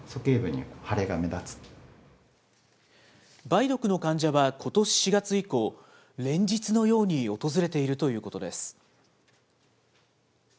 梅毒の患者はことし４月以降、連日のように訪れているということです。